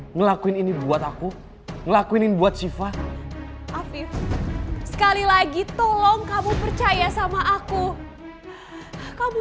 ngelakuin ini buat aku ngelakuin buat siva afif sekali lagi tolong kamu percaya sama aku kamu